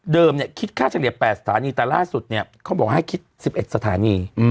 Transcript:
คิดค่าเฉลี่ย๘สถานีแต่ล่าสุดเนี่ยเขาบอกให้คิด๑๑สถานี